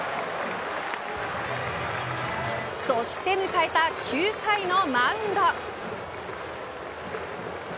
そして迎えた９回のマウンド。